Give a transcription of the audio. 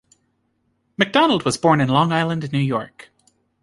McDonald was born in Long Island, New York.